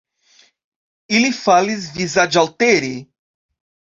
Ili falis vizaĝaltere.